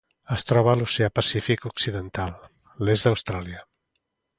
Es troba a l'Oceà Pacífic occidental: l'est d'Austràlia.